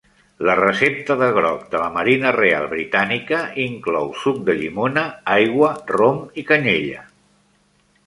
La recepta de grog de la Marina Real britànica inclou suc de llimona, aigua, rom i canyella.